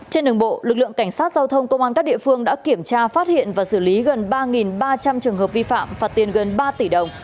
trên đường bộ lực lượng cảnh sát giao thông công an các địa phương đã kiểm tra phát hiện và xử lý gần ba ba trăm linh trường hợp vi phạm phạt tiền gần ba tỷ đồng